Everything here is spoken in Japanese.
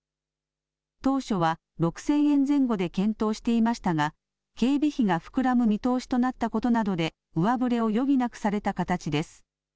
当初は６０００円前後で検討していましたが警備費が膨らむ見通しとなったことなどで上振れを余儀なくされた形です。